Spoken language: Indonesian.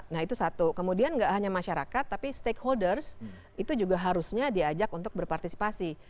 nah itu satu kemudian nggak hanya masyarakat tapi stakeholders itu juga harusnya diajak untuk berpartisipasi